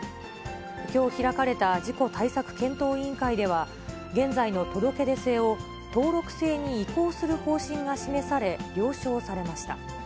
きょう開かれた事故対策検討委員会では、現在の届け出制を、登録制に移行する方針が示され、了承されました。